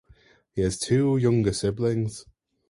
He has two younger siblings.